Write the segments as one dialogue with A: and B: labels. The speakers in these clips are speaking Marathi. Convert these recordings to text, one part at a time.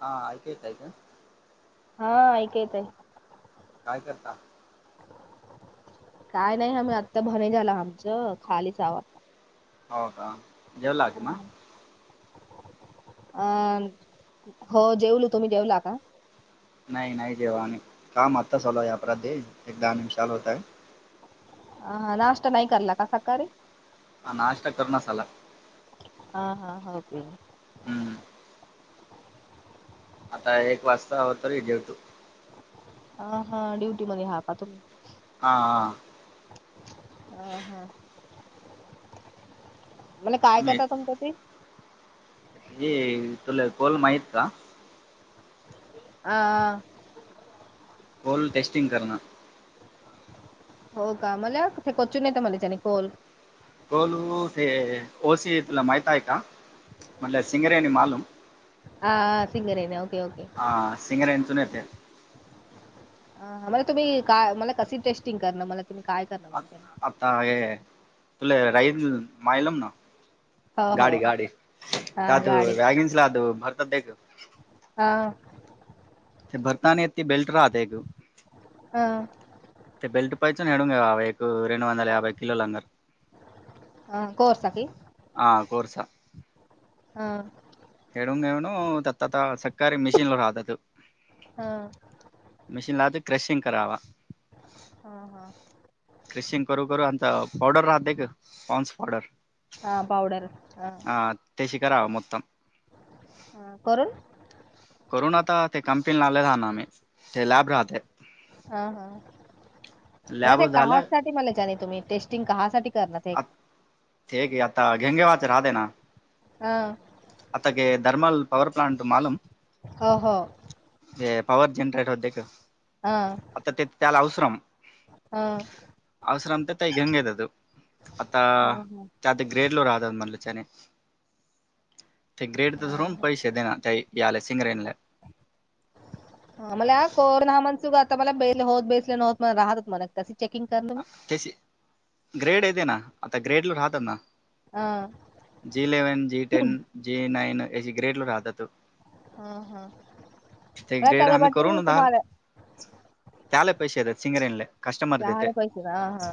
A: हा ऐकू येतंय काय?
B: हा ऐकू येतंय
A: काय करता?
B: काय नाही आम आत्ता भने झाला आमचं खाली
A: हो का जेवलात ना
B: अं हो जेवलो तुम्ही जेवला का?
A: नाही नाही जेवा आम्ही काम आत्ता चालू आहे अकराले एक दहा मिनिटं चालू होतय.
B: हा नाष्टा नाही करला का सकारी
A: हां नाश्ता करणार सला
B: हा हा हो
A: हम्म आता एक वाजता हो तरी जेवतो
B: ह हा ड्युटी मध्ये हा का तुम्ही
A: हा हा
B: अ हा म्हला काय करता तुम्ही तिथे
A: हे तुला कोल माहीत का
B: आ
A: कोल टेस्टिंग करणं
B: हो का मला कुठे कोचून येतं मला त्याने खोल
A: टोलू ते ओसीथला माहता आहे का म्हणटलं सिंगरे आणि मालूम
B: ह सिंगरणे ओके ओके
A: ह सिंगर यांंचून येते
B: ह म्ह तुम्ही काय मला कस टेस्टिंग करणं मला तुम्ही काय करता
A: आ आता हे तुला राहील माहिलम ना
B: हो हो
A: गाडी गाडी
B: हा
A: त्यात
B: गाडी
A: वॅगिनस ला भरतात [unintelligible]
B: हा
A: ते भरतानी यती बेल्ट राहते एक [unintelligible]
B: हम
A: [unintelligible]
B: हा कोर्सकीी [unintelligible]
A: हा कोर्चा
B: हा
A: [unintelligible]
B: हा
A: मशीन लाते क्रेशिंग करावा [unintelligible]
B: हा हां
A: क्रिशिंग करू करू आता पावडर राहतते का पाॉन्स पावडर [unintelligible]
B: हा पावडर हा
A: ह त्याशी करावां मतम [unintelligible]
B: ह करून.
A: करून आता ते कंपनीला आले राह ना आम्ही ते लॅब राहते.
B: हा हा म ते
A: लॅब
B: का
A: झाल्या
B: मला जाण तुम्ही टेस्टिंग काहासाठी करणार. ते.
A: ते की आता घेंगेवाच राहते ना.
B: हा.
A: आताक धर्मल पववर प्लांट मालम
B: ह ह.
A: ते पॉवर जनरेटर होते का
B: हां,
A: आता ते त्याला अवसरम
B: हां.
A: असर अंत तै हंगेतद आता.
B: हां, हां,
A: त्यार्त ग्रेड ल रातात मणला चने
B: हां,
A: धरून पैसे देना त्या याला सिंगरेनला
B: हा मला कोरोना हा म्हण सुु आता मला बे होत बेसले नवत राहतात मला. त चेकिंग कर तुम्ही.
A: ते ग्रेड अऐतेना आता ग्रेड ल राहतना.
B: [inaudible]
A: जी ललेवन जी टेन जी नैन हे ग्रेटल रादत
B: हम् हम्
A: ते
B: नाही
A: ग्रेड
B: त
A: आम्ही
B: बाटी
A: करून दाल
B: तुम्हाला
A: त्याला पश सिंगरनल
B: चहाले पैस ह हा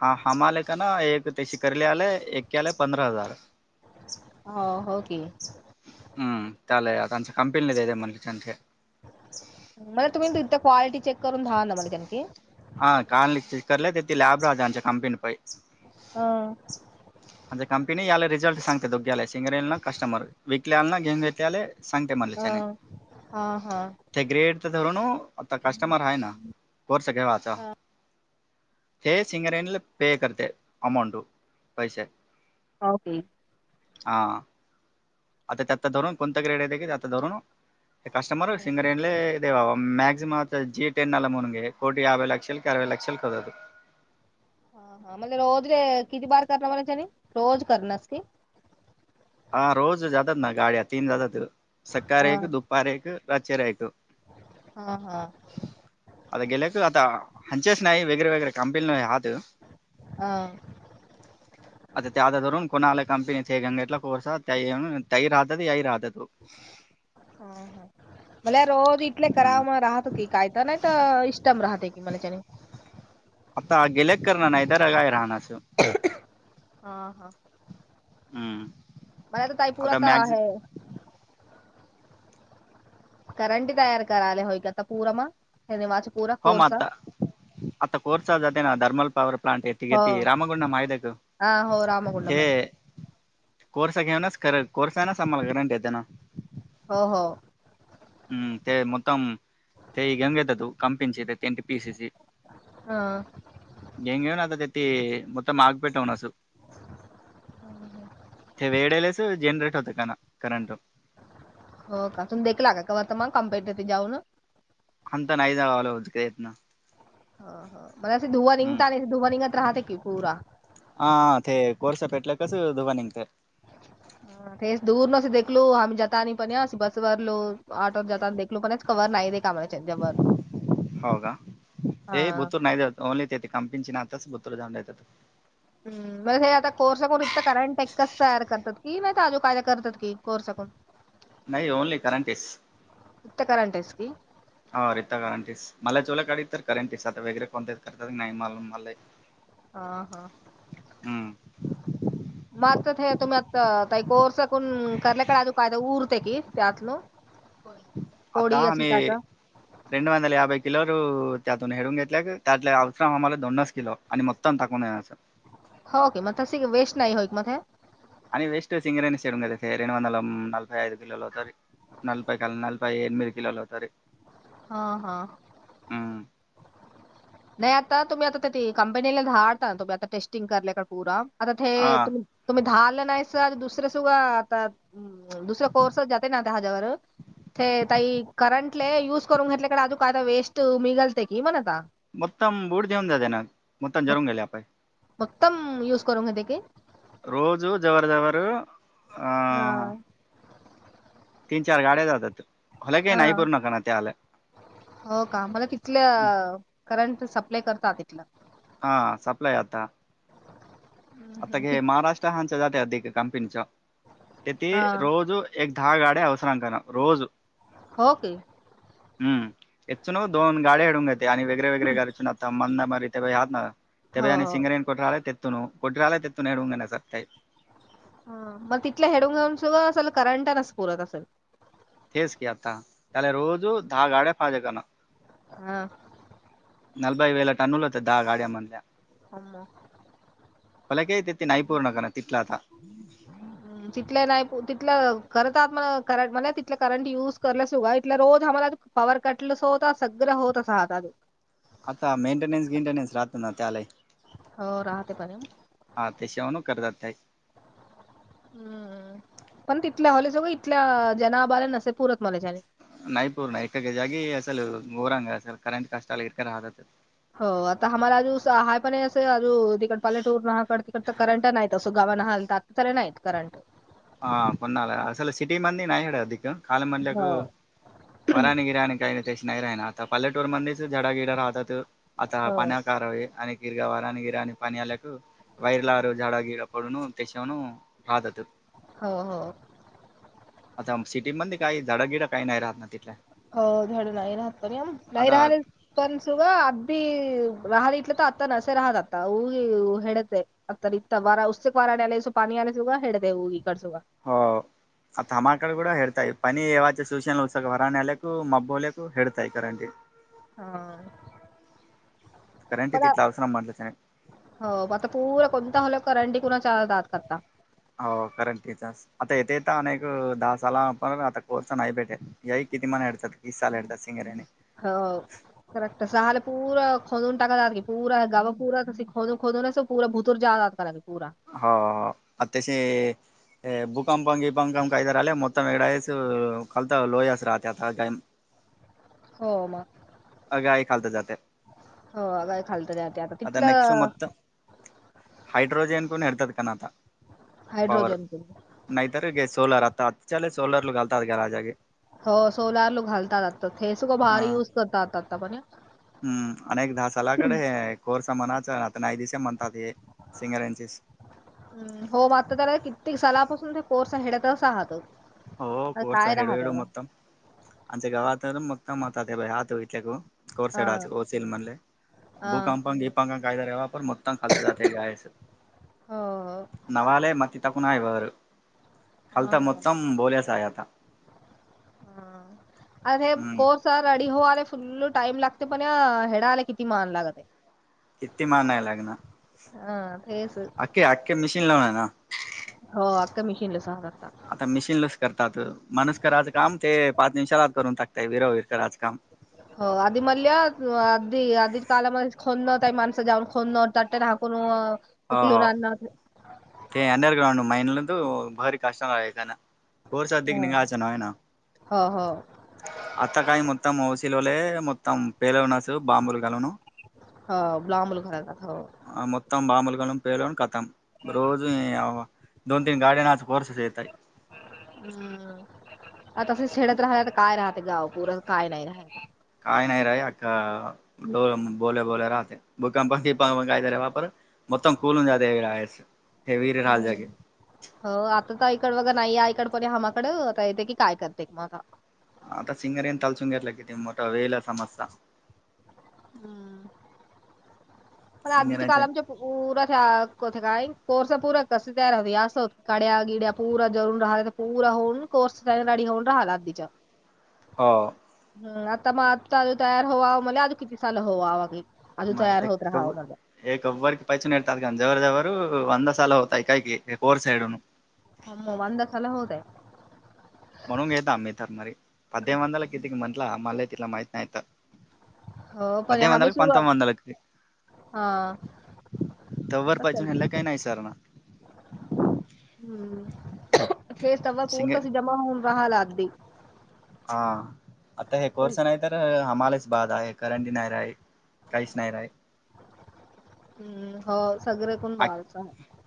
A: हा हामालय का ना एक त्याची करली आलाय एक के आलाय पंधरा हजार.
B: हो होगे.
A: हम चाले आताच कंपनीदे मणते
B: म्हला तुम्ही तथ क्वालिटी चेक करून धावा ना मला त्याखी
A: हा कार करला ते त लॅब राहजच्या कंपनी प
B: ह [unintelligible]
A: म्हणजे कंपनी याला रिझल्ट सांगते दोघ्याला सिंगरल ना कस्टमर विकले आला ना घेऊन घेतले आले. सांगते मलच्याने
B: हां, हां, हां.
A: ते ग्रेड तर धरून आता कस्टमर आहे ना कोर्स केेव आता ते सिंगर येणील पे करते अमाऊंट पैसे
B: ओके.
A: हा. आता त्याता धरून कोणता क्रेड येत की त्याता धरून ते कस्टमर
B: हां.
A: सिंगरेले. अ वा मॅक्सम जि टेन नल मुने कोटी यावबय लक्षल क अरव लक्षल क हो
B: हा म्हणज रोज र किती बार करण मला त्याने रोज करणारस की
A: हा रोज जातात ना गाड्या तीन जातात सकार
B: हा
A: एक दुपारी एक रर एकक
B: हा हा.
A: आता गेलेक आता हंचेेस नाहीई वेगरे वेगरे कंपनीला हात.
B: [inaudible]
A: आता त्या आता रून कोणाला कंपनीचे गंगेटला कोर्सात तई राहतात याई राहतातो.
B: ह ह भला रोज इटले
A: हम्म
B: कररा राहतो क काय. नाही तर इष्टम राहते की मला त्याने.
A: आता गेलेक करणार ना इधर काय राहणार सो
B: हा हा.
A: हम्म
B: मला तर
A: आता
B: ताईपुरात
A: मॅक्झ
B: आहे. करंटी तयार करायला होय का आता पूरा मग. फ वादच पोरा
A: हो मता आता कोर्स आजते त ना धर्मल पवर् प्लाॅंट येत. ठीके
B: हो
A: आहे त रामागुंड माहिते का
B: हा हो
A: हे. कोर्स घेनस खर कोर्स नास आम्हाला गरंट येत ना.
B: हो हो.
A: हम. ते म तम [unintelligible] का तु? [unintelligible] पीसेसए?
B: हा.
A: [unintelligible] ते वेळेलाच जनरेट होत का न? करंट.
B: हो का? तुम्ही देखला का? [unintelligible] कम्पेट त जाऊन
A: अंतता नाही जावला होत प्रयत्न.
B: हो हो. मला असे धुवा निघता नाही. धुववा निंगत राहते की पुूरा.
A: हा ते कोरसा पेटला की कस धुवा नींगतो.
B: हम. तेच दूर नसे देखलो आम्ही जाता आणि पण असशी बसवररलो ऑटोवर जाता देखलो पणच कवर नाही दे काम
A: हो का
B: हा
A: ए बतूर नायदे होत. ओनली ते ते कंपं ना आताच बुतर जाऊनात.
B: हम् म्हे हे आता कोरसाकून इतं कारण ट एक्काच तयार करतात की नाही आजू काय करतात की कोरसाकून ह
A: नाही. Only current piece.
B: फक्त करंट एस पी?
A: [unintelligible]
B: हा हा.
A: हं.
B: मग हे तुम्ही आही कोर्सकून करल्याकडे अजू कायदा उरते की त्यातन? होय.
A: आता आम्ही. रेड वंदाल याभई किलो त्यातून हडून घेतल्या त्यातल्या अवत्रम आम्हाला दोनच किलो आणि मग तम टाकूनण्याचं.
B: होके. म त सी ग वेस्ट नाही होय का म ते?
A: आणि वेस्ट सिंगरनी सडू का रे वंद नलई यद किलो तरी. नलपई काल नलपई एनमद किल अवते.
B: हा हा. नाही आता तुम्ही आता कंपनीला डता तुम्ही आता टेस्टिंग करलेय का पुरा आता ते त् तुम्ही हा आल नाही स दुसर्या सुा आता दुसऱ्या कोर्स जाते ना आ हज्यावर. ते तई करंटले युज करून घेतल्याकडे अजू काय तर वेस्ट निघलते की मण आता
A: मतम बूट देेऊन जाते ना? मत्तम
B: मग-
A: जरून गेले आपण.
B: मक्तम यूस करू त्या क?
A: रोज जवर जवर
B: हा
A: अ- तीन चार गाड्या जातात. हलाकी
B: हा
A: नाही [unintelligible]
B: हो का? मला किथल्या करंट सप्लाय करतात तिथलं?
A: हा. सप्लय आता. आता क
B: तिथ-
A: महाराष्ट्र हच्या जाते अध कंपिनीच तेथे
B: हा.
A: रोज- एक दहाग आडे अवसरां कारा रोज.
B: हो की.
A: हम्म. याच न दोन गाडी हडूंगय. आणि वेगरे वेगरे घरच ना त मंद मरी तेबई ह ना
B: हो
A: तेबई्या आणि
B: हो
A: सिंगरेन कोट राले तेत्तो. कोठ्यालय ते तूनणेडूग ना स
B: ह मग तिथल्या ह हेडून घेऊन सुद्धा असल करंट नस पुरत असेल.
A: तेेज की आता. त्याला रोज दहा गाड्या फाज कन.
B: हा.
A: नलबई वेला टनूल होतं दहा गाड्या मधल्या.
B: अम्म.
A: हालाकी ते ते नाही पूर्ण कर ना तिथला आता.
B: हम हम. तिथलं नाही तिथलं खरत आ म करंट म्ह तथ करंट युज करसा इथ रोज आम्हाला. पावर कटलस होत सग्रं होत असता.
A: आता मेंटेन्स बिंटेनन्स राहतो ना त्याले.
B: हो राहते पण
A: हा ते शेवाणू करतात त्या
B: हम्म. पण तिथल्या होले सगं इथल्या जनाबाला नसे पुरत मलाच्याने
A: नाही पूर्ण एका जागी असल गोरांग असेल करेंट कष्टाला इका राहतात.
B: हो आता आम्हाला हा पण अू इकड पलेटूर नहा कड त कडत क करंटा ना नाहीयत असो गमन हाल ताक ततले नाहीयत क कररंट.
A: ह कोणाला असल सिट मंद नाही साड अधिक काल मधक
B: हो
A: वरानी गिराणी काही नाही ते नाही राहि ना आता पल्लेटूर मध्येचडागिड राहतात आता
B: हो
A: पाण्या कारवी आणि गिरग वार आणि गिरा आणि पणी आलेक वैर लाार जाडा गीरपडण देशवून हा ददा.
B: हो हो.
A: आता सिटी मध्ये काही झाडागिडा काही नाही राहत ना तिथल्या
B: हो झाधडू नाही राहतोर आ नाही
A: आता
B: राहले. पणसुग अदीी राहल इटल तर आता नसेे राहदता हऊग हेडते. आ त र वारा उस्चे क वारले सो पाणी आले सगा हेडतेऊग कड सू.
A: हो. आता तमाम अकड क ह हेडतााय पनी ये वाच सूसेना उत्सक वराण्या लाख मबोलेख ख हेडतााय करा.
B: हा.
A: करंट इ
B: पण आ-
A: तटला अवसरा माटलंला नाही.
B: हो आता पुर कोणता झाल करंडी कुणा चचा दात करता.
A: हो करं टीचर्स आता येतेेत अनेक दहा सालापर आता कोर्स नाही भेटे. याई किती मन हडतात किसाल हरतात सिंगऱ्याने
B: हो. करट सहाले पूरा खोनून टाकतात की पूरा गववा पूरा त खोून खोदून पूरा भुतूर जातात. पलावी पूरा
A: हो आतासे हे भूकंपं ह पंख पंखा इधर आले मत एढा कल तर लोहच राहते आताय.
B: हो मग
A: गाय खालत जाते
B: होगय खालत त्यात. तथल्या
A: हाड्रोजेन को हरतत करथ
B: हाड्रोजन.
A: नैतरे सोलार आता अच चलले सोलर कालतात ग राजाजे
B: हो सोलार लोक घालतात आता हे सगं भारी युज करतात आता पण
A: हम्म अनेक दहा सलाकडे कोर्स म्हणाचता नाही दिश म्हणतात हे सिंगर यांचे
B: हम हो मात्र त्याला कित्येक सालापासून ते कोर्स हडतच आहात.
A: हो कोर्चा
B: काय
A: हेडू
B: राहत
A: हडू
B: त्याला
A: मक्तम आमच्या गावात मक्तम आता ते बा आहतो इथल्या ग. कोर्
B: हा
A: सडल म्हणले
B: हा
A: बूकंप ां कायदा रवा पर मतां खाथ गय.
B: ह.
A: नवाले मत तकणा इवार
B: हा
A: कलता
B: हा
A: मतम बोले सायाता
B: हा अे
A: हम्म
B: कोच. स रडी होवाला फुल टाइम लागते पण या हेडाला किती मान लागते.
A: किती मान नाही लागणार
B: हा तेच
A: अखखे अखखे मशीन लावून आहे ना.
B: हो आखखका मिशीन सजारतात.
A: आता मशीिन लच करतात माणूस करायचं काम ते पाच निवषाला करून टाकतय वीरवीर करायचं काम
B: ह. हो आधी म्हणल्या आधी आधी कालामध्ये खोननंही माणसं जाऊन खोन तट्याकून
A: हो हो ते अंडरग्राउंड महिनला तू भारी काष्ट का ना. होर सद
B: हो
A: निघाच नाय ना.
B: हो हो
A: आता काही मतम हौसिलवाले मतम पेलव नस बांबूल घालवून
B: हो बलाबल [unintelligible] घरात हो
A: मतम बामल काडम पेलेण काथम रोज दोन तीन गाड्यानं कोर्सच येताय
B: हम्म आता तस खेड्यात राह तर काय राहत गाव पूरण काय नाही राहलः
A: काय नाही र अख्खं बोले बोले राहते भुकंप दीप कायत रे वापर मतम कोलून जाात हेवी राहा आहेस हेवीर राहाल
B: हम्म
A: जागे
B: हो आता तर आईकड बघा नाहीे आईकड पण हमाकड आता येते की काय करते मता
A: आता सिंगर येन तल चंग्यायला किती मोठा वेळेला समजता
B: हम्म पण आधीच्या काल
A: सिंगराचे
B: आमच्या पुूरा त्या कोत काय कोर्स पूरा कस तयार होते असं हो काड्या गिड्या प पुरा जरून राहत पूरा होन कोर्स रडी होउन रडी राहला तीचा
A: हो
B: हम्म आत् म आत् अ तयाार होववा आ मल अ किती साल होववा आलीगे
A: मारत्या कवं एक वर्क की पैचून यतात का जव जवळ वंदा साला होतय काय की एक वर साईडून
B: अ् वंद सल होऊ दे
A: म्हणून घयेतताात आमत मरी पदम वंद ल कितीकी म्हंला मला तिला माती नाही यतात
B: हो पण
A: पध्यम
B: आम्ही
A: व
B: सुग
A: पंतोम वंदते
B: हा
A: तवर पाजून
B: असेल.
A: ह्याला काही नाही सर ना
B: हम्म हेेस त
A: सिंगे
B: पूरतशी जमा होऊन रहाला लागते
A: हा आता हे कोर्स नाय तर हामलाच बाद आहे करंडी नाही राय काहीच नाही राये
B: हम्म हो सगरच
A: आं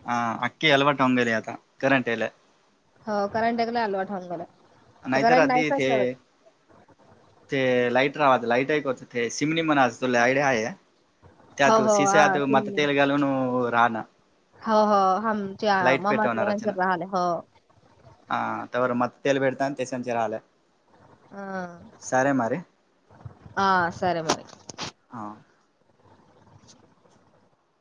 A: ह आंकीं अलवट अंगेल आता करंटेले
B: हो करंट एकला अलवाटवून गेला आता
A: नाहीतर
B: करंट
A: आधी
B: नायतच
A: ते ते लाईट राव्हात लाईट ऐक होत ते शिमणी म्हणा तुला आडिया हाया?
B: हो
A: त्यातू
B: हो हा
A: सिसे्यात मत तेल घालून राहनं
B: हो हो हामच्या ममा
A: पेटवणार
B: ते
A: रचना
B: राले हो
A: हा तवर मत् तेल बेडताान तेसचीिरा आलेय
B: ह ह सरे मरेड
A: हाव